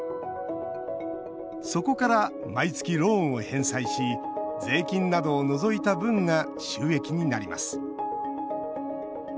そこから毎月ローンを返済し税金などを除いた分が収益になります。